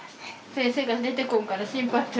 先生が出てこんから心配して。